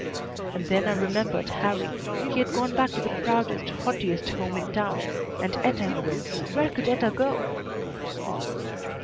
And then I remembered Harrie. He had gone back to the proudest, haughtiest home in town; and Etta where could Etta go?